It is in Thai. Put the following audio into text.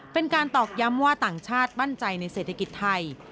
เป็นการตอบย้ำว่าต่างชาติบั้นใจในเศรษฐกิจไทย